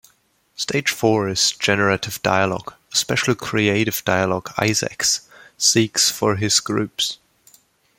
Stage four is "Generative Dialogue", a special "creative" dialogue Isaacs seeks for his groups.